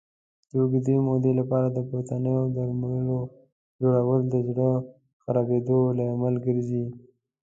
د اوږدې مودې لپاره د پورتنیو درملو خوړل د زړه خرابېدو لامل ګرځي.